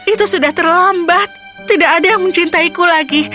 itu sudah terlambat tidak ada yang mencintaiku lagi